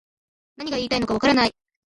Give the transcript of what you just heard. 何が言いたいのかわからない